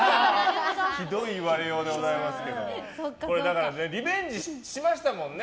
ひどい言われようでございますけどリベンジしましたもんね。